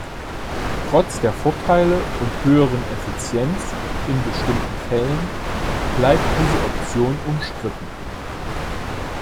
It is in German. Trotz der Vorteile und höheren Effizienz in bestimmten Fällen bleibt diese Option umstritten.